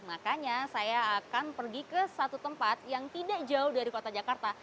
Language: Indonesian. makanya saya akan pergi ke satu tempat yang tidak jauh dari kota jakarta